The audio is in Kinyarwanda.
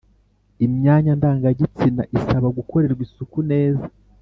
imyanya ndangagitsina isaba gukorerwa isuku neza